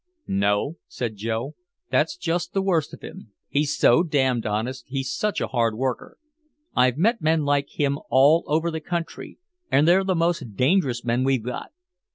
"No," said Joe, "that's just the worst of him. He's so damned honest, he's such a hard worker. I've met men like him all over the country, and they're the most dangerous men we've got.